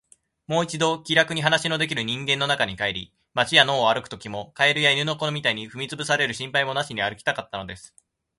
もう一度、気らくに話のできる人間の中に帰り、街や野を歩くときも、蛙や犬の子みたいに踏みつぶされる心配なしに歩きたかったのです。